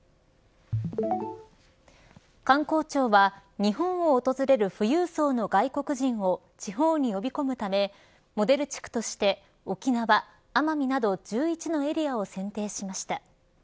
観光庁は日本を訪れる富裕層の外国人を地方に呼び込むためモデル地区として沖縄・奄美など１１のエリアを選定しました。